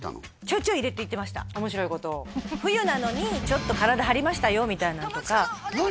ちょいちょい入れていってました冬なのにちょっと体張りましたよみたいなのとか何？